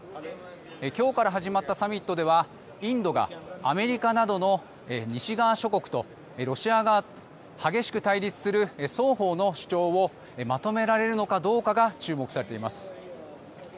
今日から始まったサミットではインドがアメリカなどの西側諸国とロシア側激しく対立する双方の主張をまとめられるのかどうかが注目されています。